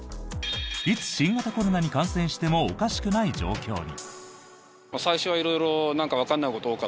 いつ新型コロナに感染してもおかしくない状況に。